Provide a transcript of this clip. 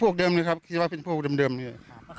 เกิดเหตุการณ์แบบนี้มาตอนหรือ